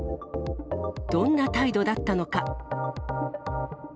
どんな態度だったのか。